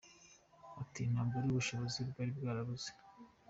Ati “Ntabwo ari ubushobozi bwari bwarabuze.